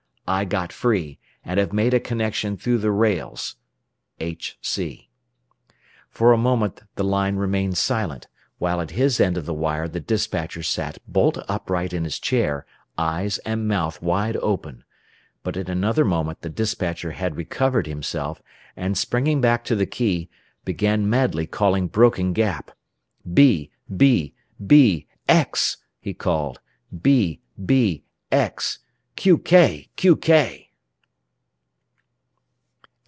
I got free, and have made a connection through the rails HC." For a moment the line remained silent, while at his end of the wire the despatcher sat bolt upright in his chair, eyes and mouth wide open. But in another moment the despatcher had recovered himself, and, springing back to the key, began madly calling Broken Gap. "B, B, B, X!" he called. "B, B, X! Qk!